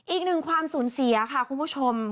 อีกหนึ่งความสูญเสียค่ะคุณผู้ชม